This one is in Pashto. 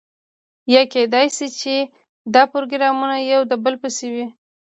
یا کیدای شي چې دا پروګرامونه یو د بل پسې وي.